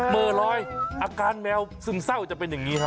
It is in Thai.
หมอลอยอาการแมวซึมเศร้าจะเป็นอย่างนี้ฮะ